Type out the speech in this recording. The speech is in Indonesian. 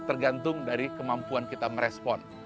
tergantung dari kemampuan kita merespon